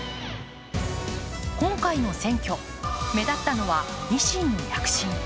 今回の選挙、目立ったのは維新の躍進。